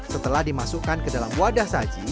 setelah dimasukkan ke dalam wadah saji